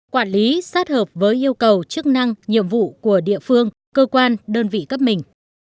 quản lý sát hợp với yêu cầu chức năng nhiệm vụ của địa phương cơ quan đơn vị cấp mình